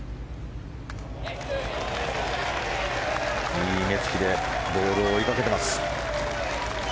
いい目付きでボールを追いかけています。